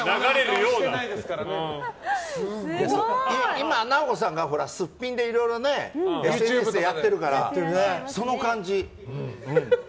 今、ナオコさんがすっぴんでいろいろＹｏｕＴｕｂｅでやってるからその感じ。